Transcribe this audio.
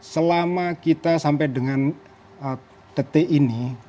selama kita sampai dengan detik ini